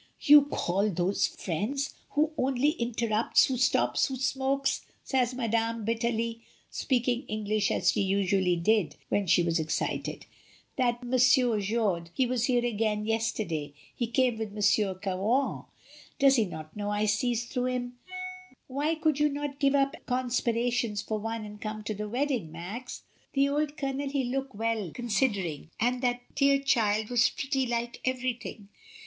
"You call zose frens! frens, who only interrups, who stops, who smokes," says Madame bitterly, speaking English as she usually did when she was excited; "that M. Jourde he was here again yester day; he came with M. Caron. Does he not know I sees through 'im? Why could you not give up conspirations for once and come to the wedding, Max? The old Colonel he look well considering; and that dear child was pretty like everything.